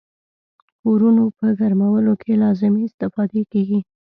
کورونو په ګرمولو کې لازمې استفادې کیږي.